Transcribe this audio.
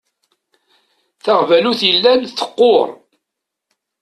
Taɣbalut yellan teqqur.